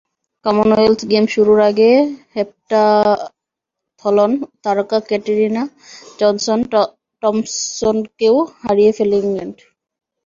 Commonwealth Games শুরুর আগে heptathlon তারকা ক্যাটারিনা জনসন-টম্পসনকেও হারিয়ে ফেলে ইংল্যান্ড।